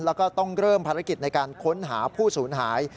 แล้วก็ต้องเริ่มภารกิจในการค้นหาผู้สูญหาย